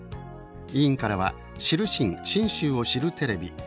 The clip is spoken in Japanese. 委員からは知るしん信州を知るテレビ